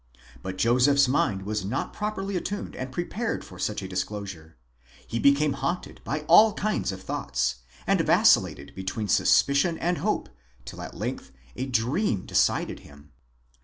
But Joseph's mind was not properly attuned and prepared for such a disclosure; he became haunted by all kinds of thoughts ; and vacillated between suspicion and hope till at length a dream decided him.?